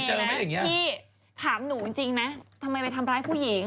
พี่ถามหนูจริงไหมทำไมไปทำร้ายผู้หญิง